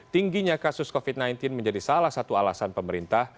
tingginya kasus covid sembilan belas menjadi salah satu alasan pemerintah